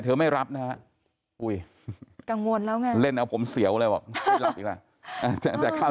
เธอไม่รับนะอุ้ยกังวลแล้วงั้นเล่นเอาผมเสียวเลยบอกแต่คราว